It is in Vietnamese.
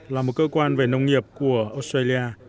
là một cơ quan về nông nghiệp của australia